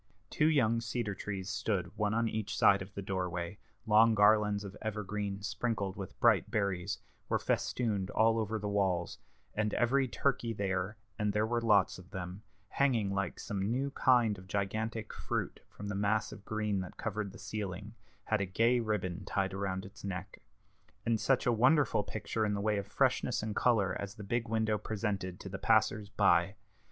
Two young cedar trees stood one on each side of the doorway; long garlands of evergreen, sprinkled with bright berries, were festooned all over the walls; and every turkey there, and there were lots of them, hanging like some new kind of gigantic fruit from the mass of green that covered the ceiling, had a gay ribbon tied around its neck. And such a wonderful picture in the way of freshness and color as the big window presented to the passers by!